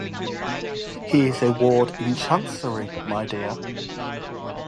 He is a ward in Chancery, my dear.